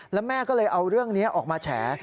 แล้วแม่ก็เลยเอาเรื่องนี้ออกมาแฉ